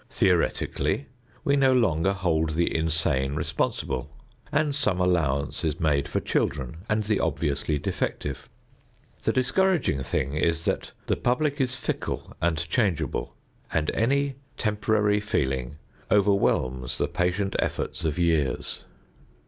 Theoretically we no longer hold the insane responsible, and some allowance is made for children and the obviously defective. The discouraging thing is that the public is fickle and changeable, and any temporary feeling overwhelms the patient efforts of years.